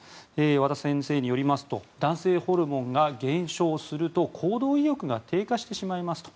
和田先生によりますと男性ホルモンが減少すると行動意欲が低下してしまいますと。